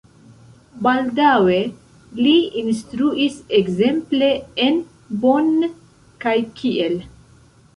Baldaŭe li instruis ekzemple en Bonn kaj Kiel.